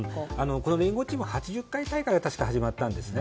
この連合チームは確か８０回大会から始まったんですね。